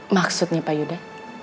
maksudnya pak yuda